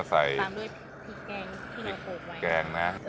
ค่ะทีนี้เราก็จะใส่ตามด้วยพริกแกงที่เราโปรดไว้